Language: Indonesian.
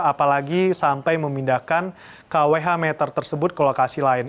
apalagi sampai memindahkan kwh meter tersebut ke lokasi lain